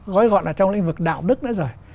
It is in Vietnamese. gói gọn là trong lĩnh vực đạo đức nữa rồi